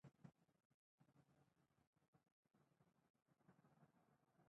موږ باید قانون ته ژمن واوسو